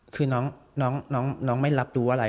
คือน้องไม่รับรู้อะไร